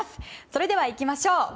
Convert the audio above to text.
それではいきましょう。